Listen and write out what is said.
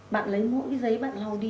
bạn lấy mỗi cái giấy bạn lau đi